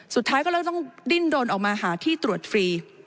สุดท้ายก็เลยต้องดิ้นรนออกมาหาที่ตรวจฟรี